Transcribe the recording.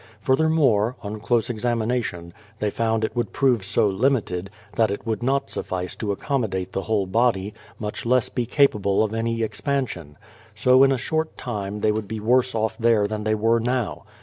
Furthermore, on closer examination, they found it would prove so limited, that it would not suffice to ac commodate the whole body, much less be capable of any ex pansion. So in a short time they would be worse off there than they were now.